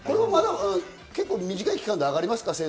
結構短い期間で上がりますかね？